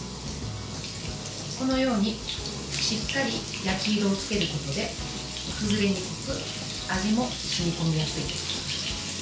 このように、しっかり焼き色をつけることで崩れにくく味も染み込みやすいです。